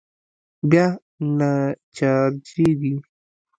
بيا نه چارجېږي.